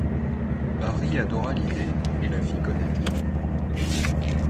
Barry adora l'idée, et la fit connaitre.